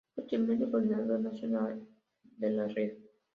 Posteriormente, Coordinadora Nacional de la Red.